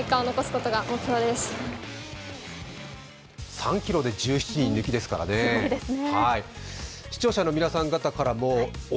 ３ｋｍで１７人抜きですからね。